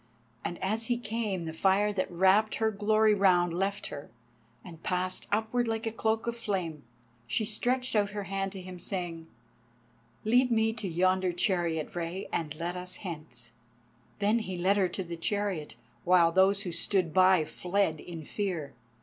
And as he came the fire that wrapped her glory round left her, and passed upward like a cloak of flame. She stretched out her hand to him, saying: "Lead me to yonder chariot, Rei, and let us hence." Then he led her to the chariot, while those who stood by fled in fear.